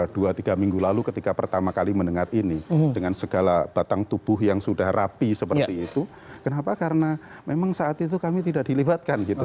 dua tiga minggu lalu ketika pertama kali mendengar ini dengan segala batang tubuh yang sudah rapi seperti itu kenapa karena memang saat itu kami tidak dilibatkan gitu